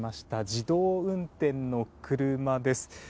自動運転の車です。